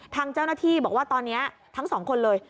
ทางเจ้าหน้าที่บอกว่าตอนนี้ทั้งสองคนเลย